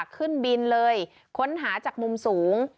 ขึ้นบินเลยค้นหาจากมุมสูง